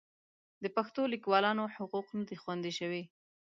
د پښتو لیکوالانو حقوق نه دي خوندي شوي.